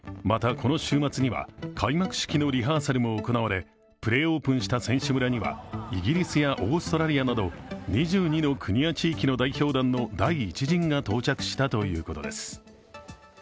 また、この週末には、開幕式のリハーサルも行われプレオープンした選手村にはイギリスやオーストラリアなど２２の国や地域の代表団の第１陣が到着したということです。